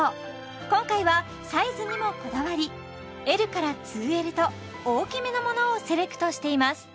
今回はサイズにもこだわりＬから２Ｌと大きめのものをセレクトしています